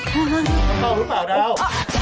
เป้ารู้เปล่าดาว